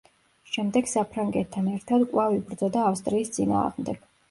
შემდეგ საფრანგეთთან ერთად კვლავ იბრძოდა ავსტრიის წინააღმდეგ.